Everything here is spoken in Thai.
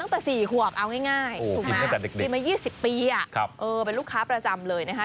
อู๋ออินหลังจากเด็กมายี่สิบปีอ่ะครับเออเป็นลูกค้าประจำเลยนะฮะ